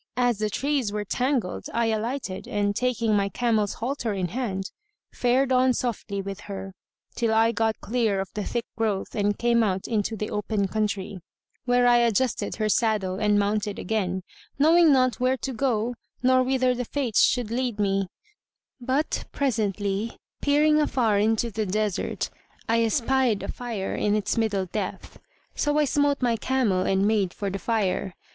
As the trees were tangled I alighted and, taking my camel's halter in hand, fared on softly with her, till I got clear of the thick growth and came out into the open country, where I adjusted her saddle and mounted again, knowing not where to go nor whither the Fates should lead me; but, presently, peering afar into the desert, I espied a fire in its middle depth. So I smote my camel and made for the fire.